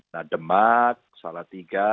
nah demak salah tiga